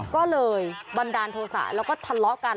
ก็เลยบันดาลโทรศะแล้วก็ทัลเบลอกัน